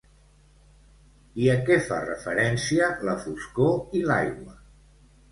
I a què fa referència la foscor i l'aigua?